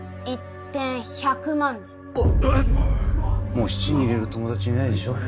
もう質に入れる友達いないでしょ？